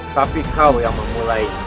tapi kau yang memulai